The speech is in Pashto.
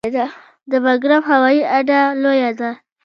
د بګرام هوایي اډه لویه ده